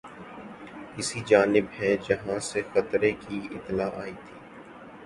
اسی جانب ہیں جہاں سے خطرے کی اطلاع آئی تھی